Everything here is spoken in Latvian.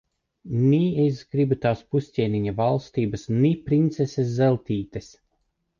Ni es gribu tās pusķēniņa valstības, ni princeses Zeltītes.